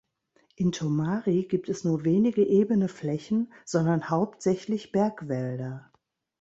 In Tomari gibt es nur wenig ebene Flächen, sondern hauptsächlich Bergwälder.